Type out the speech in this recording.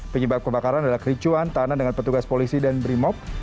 penyebab kebakaran adalah kericuan tahanan dengan petugas polisi dan brimob